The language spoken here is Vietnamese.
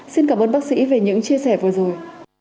xin cảm ơn bác sĩ về những chia sẻ vừa rồi